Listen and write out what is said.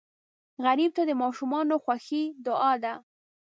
غریب ته د ماشومانو خوښي دعا ده